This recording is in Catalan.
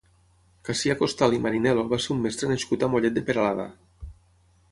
Cassià Costal i Marinel·lo va ser un mestre nascut a Mollet de Peralada.